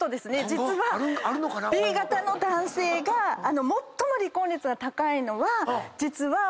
Ｂ型の男性が最も離婚率が高いのは実はＯ型の女性なので。